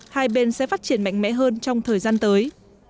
hai bên sẽ phát triển mạnh mẽ hơn trong thời gian tới